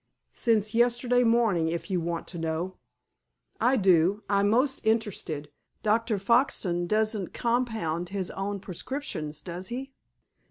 "Since yesterday morning, if you want to know." "I do. I'm most interested. Dr. Foxton doesn't compound his own prescriptions, does he?"